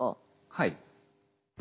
はい。